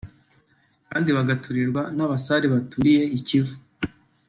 kandi bagaturirwa n’Abasare baturiye i Kivu